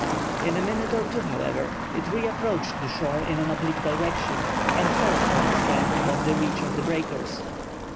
In a minute or two, however, it reapproached the shore in an oblique direction, and fell upon the sand above the reach of the breakers.